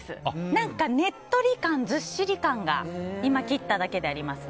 何かねっとり感、ずっしり感が今、切っただけであります。